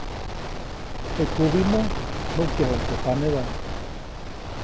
Teʼ kubimä nukyajuʼuŋ teʼ panedaʼm.